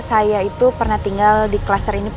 saya itu pernah tinggal di kluster ini